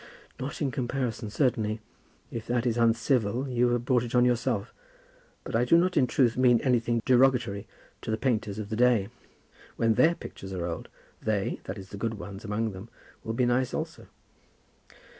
"Not in comparison, certainly. If that is uncivil, you have brought it on yourself. But I do not in truth mean anything derogatory to the painters of the day. When their pictures are old, they, that is the good ones among them, will be nice also."